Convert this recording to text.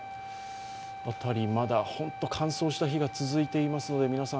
辺りまだ、本当に乾燥した日が続いていますので皆さん、